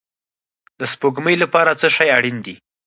د سپوږمۍ لپاره څه شی اړین دی؟